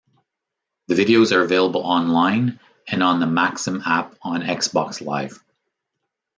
The videos are available online and on the Maxim app on Xbox Live.